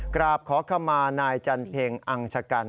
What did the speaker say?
กราบขอขมานายจันเพ็งอังชกัน